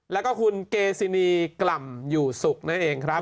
แล้วก็คุณเกซินีกล่ำอยู่สุขนั่นเองครับ